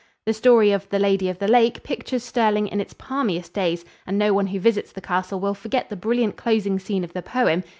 The story of "The Lady of the Lake" pictures Stirling in its palmiest days, and no one who visits the castle will forget the brilliant closing scene of the poem.